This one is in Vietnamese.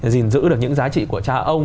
giữ được những giá trị của cha ông